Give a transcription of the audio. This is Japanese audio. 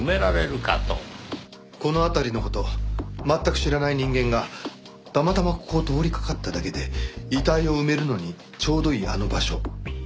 この辺りの事を全く知らない人間がたまたまここを通りかかっただけで遺体を埋めるのにちょうどいいあの場所を発見出来るかって。